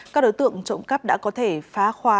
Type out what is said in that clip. các đối tượng trộm cắp đã có thể phá khóa